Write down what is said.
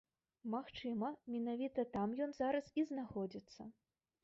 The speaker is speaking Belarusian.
Магчыма менавіта там ён зараз і знаходзіцца.